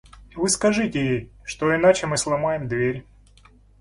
Вы скажите ей, что иначе мы сломаем дверь.